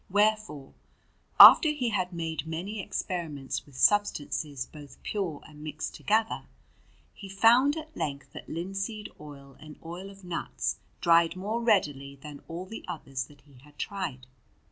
Wherefore, after he had made many experiments with substances both pure and mixed together, he found at length that linseed oil and oil of nuts dried more readily than all the others that he had tried.